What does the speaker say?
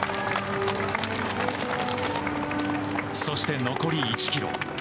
そして残り１ｋｍ。